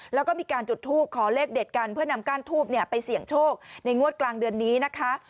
แล้วก็มีการจุดทูปขอเลขเด็ดกันเพื่อนำก้านทูบไปเสี่ยงโชคในงวดกลางเดือนนี้นะคะ